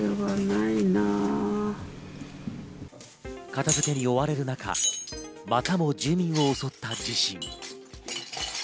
片付けに追われる中、またも住民を襲った地震。